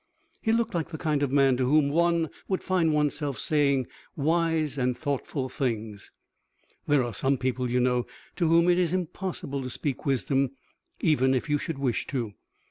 He looked like the kind of man to whom one would find one's self saying wise and thoughtful things. There are some people, you know, to whom it is impossible to speak wisdom even if you should wish to.